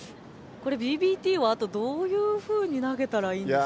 これＢＢＴはあとどういうふうに投げたらいいんですかね。